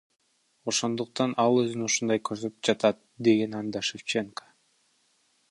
Ошондуктан ал өзүн ушундай көрсөтүп жатат, — деген анда Шевченко.